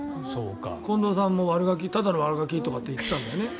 近藤さんも、ただの悪ガキって言ってたよね。